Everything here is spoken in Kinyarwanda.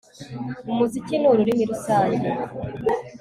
Umuziki ni ururimi rusange